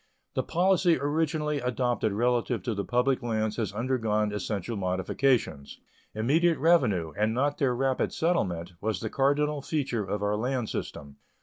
The policy originally adopted relative to the public lands has undergone essential modifications. Immediate revenue, and not their rapid settlement, was the cardinal feature of our land system.